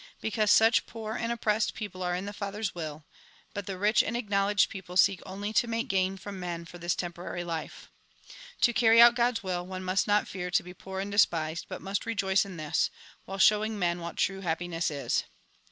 Because such poor and oppressed people are in the Father's will ; but the rich and acknowledged people seek only to make gain from men for this temporary life. To carry out God's will, one must not fear to be poor and despised, but must rejoice in this, while showing men what true happiness is.